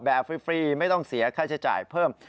ฟรีไม่ต้องเสียค่าใช้จ่ายเพิ่ม